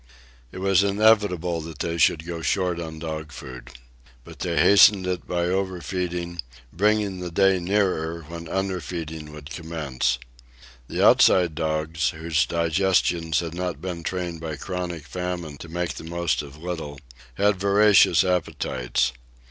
It was inevitable that they should go short on dog food. But they hastened it by overfeeding, bringing the day nearer when underfeeding would commence. The Outside dogs, whose digestions had not been trained by chronic famine to make the most of little, had voracious appetites.